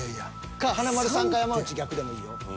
か華丸さん山内逆でもいいよ。